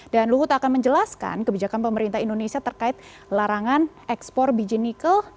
dan luhut akan menjelaskan kebijakan pemerintah indonesia terkait larangan ekspor biji nikel